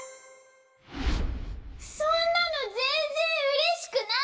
そんなのぜんぜんうれしくない！